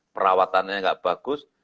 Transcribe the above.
perawatannya nggak bagus